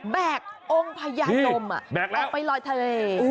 แอกองค์พญานมแบกไปลอยทะเล